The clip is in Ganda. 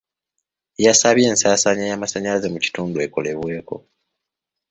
Yasabye ensaasaanya y'amasannyalaze mu kitundu ekolebweeko.